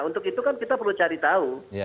untuk itu kan kita perlu cari tahu